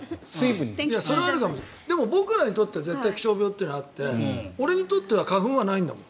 でも、僕らにとって気象病って絶対にあって俺にとっては花粉はないんだもん。